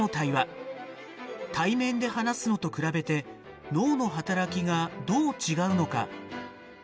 対面で話すのと比べて脳の働きがどう違うのか。